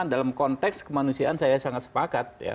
dalam konteks kemanusiaan saya sangat sepakat ya